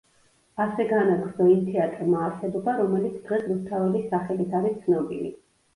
ასე განაგრძო იმ თეატრმა არსებობა, რომელიც დღეს რუსთაველის სახელით არის ცნობილი.